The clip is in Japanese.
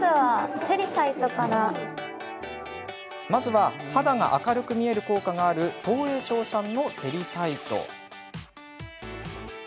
まずは肌が明るく見える効果がある東栄町産のセリサイト。